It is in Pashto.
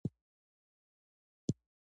ایا ستاسو عینکې به پاکې وي؟